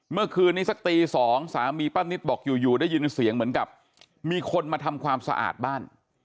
เมื่อคืนนี้สักตี๒สามีป้านิตบอกอยู่ได้ยินเสียงเหมือนกับมีคนมาทำความสะอาดบ้าน